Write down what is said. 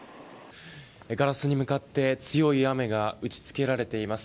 ガラスに向かって強い雨が打ち付けられています。